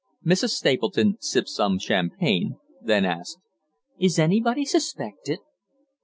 Mrs. Stapleton sipped some champagne, then asked: "Is anybody suspected?"